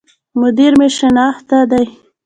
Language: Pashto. مدير مي شناخته دی